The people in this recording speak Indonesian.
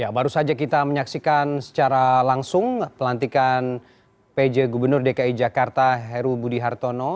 baru saja kita menyaksikan secara langsung pelantikan pj gubernur dki jakarta heru budi hartono